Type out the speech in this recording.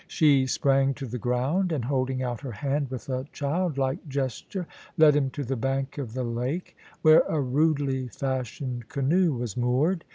She sprang to the ground, and holding out her hand with a childlike gesture, led him to the bank of the lake, where a rudely fashioned canoe was moored.